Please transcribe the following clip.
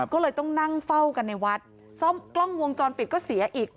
ก็เลยต้องนั่งเฝ้ากันในวัดซ่อมกล้องวงจรปิดก็เสียอีก